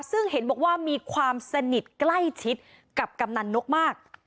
ซึ่งเห็นบอกว่ามีความสนิทใกล้ชิดกับกำนันนกมาก